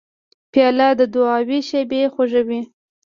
پیاله د دعاو شېبې خوږوي.